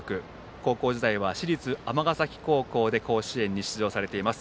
高校時代は市立尼崎高校で甲子園に出場しています